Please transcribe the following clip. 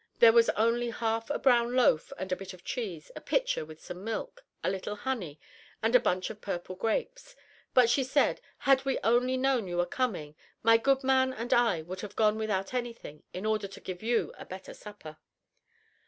There was only half a brown loaf and a bit of cheese, a pitcher with some milk, a little honey, and a bunch of purple grapes. But she said, "Had we only known you were coming, my goodman and I would have gone without anything in order to give you a better supper."